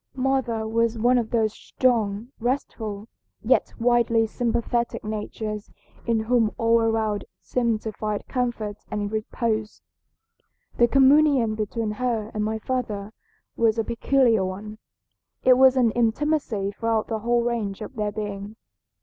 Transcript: "Mother was one of those strong, restful, yet widely sympathetic natures in whom all around seemed to find comfort and repose. The communion between her and my father was a peculiar one. It was an intimacy throughout the whole range of their being.